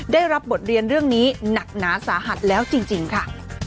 ได้รับบทเรียนเรื่องนี้หนักหนาสาหัสแล้วจริงค่ะ